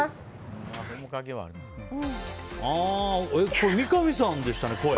これ三上さんでしたね、声。